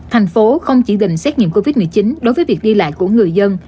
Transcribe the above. thành phố không chỉ định xét nghiệm covid một mươi chín đối với việc đi lại của người dân